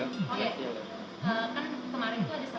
kan kemarin itu ada satu orang yang negatif pak